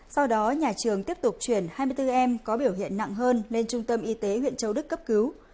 sau đó nhà trường tiếp tục chuyển hai mươi bốn em có biểu hiện nặng hơn lên trung tâm y tế huyện châu đức cấp cứu